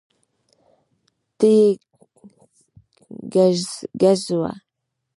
ته یې ګزوه